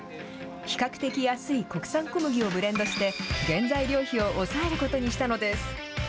比較的安い国産小麦をブレンドして原材料費を抑えることにしたのです。